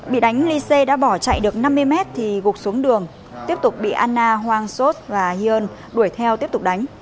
bị đánh lise đã bỏ chạy được năm mươi mét thì gục xuống đường tiếp tục bị anna hoang sos và heon đuổi theo tiếp tục đánh